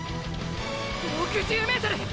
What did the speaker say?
６０ｍ！！